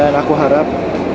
dan aku harap